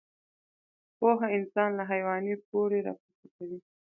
پوهه انسان له حيواني پوړۍ راپورته کوي.